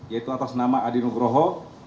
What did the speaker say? yaitu atas nama adi nugroho